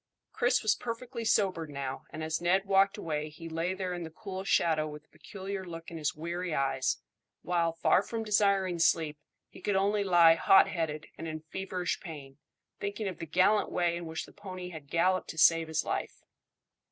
Chris was perfectly sobered now, and as Ned walked away he lay there in the cool shadow with a peculiar look in his weary eyes, while, far from desiring sleep, he could only lie hot headed and in feverish pain, thinking of the gallant way in which the pony had galloped to save his life.